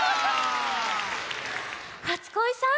初恋さん